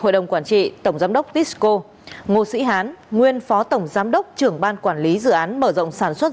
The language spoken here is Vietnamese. hội đồng quản trị tổng giám đốc tisco ngô sĩ hán nguyên phó tổng giám đốc trưởng ban quản lý dự án mở rộng sản xuất